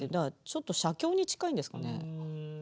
ちょっと写経に近いんですかね。